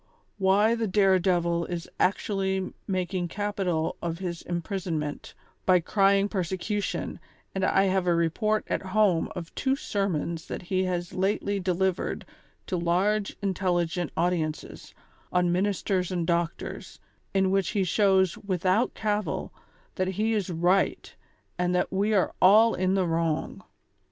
'' Why the dare devil is actually making capital of his imprison ment, by crying persecution, and I have a report at home of two sermons that he has lately delivered to large intel ligent audiences, on Ministers and Doctors, in which he shows without cavil that he is right and that we are all in the wrong.